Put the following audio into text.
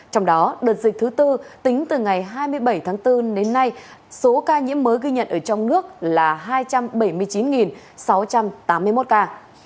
trong đó đợt dịch thứ tư tính từ ngày hai mươi bảy tháng bốn đến nay số ca nhiễm mới ghi nhận ở trong nước là hai trăm bảy mươi chín sáu trăm tám mươi một ca